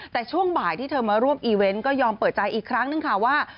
แต่ช่วงบ่ายที่เธอมาร่วมอีเวนต์ก็ยอมเปิดใจอีกครั้งนึงค่ะว่า